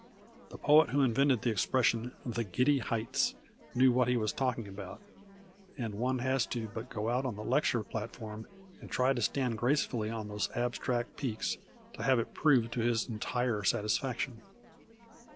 The poet who invented the expression "the giddy heights" knew what he was talking about, and one has but to go out on the lecture platform and try to stand gracefully on those abstract peaks to have it proved to his entire satisfaction.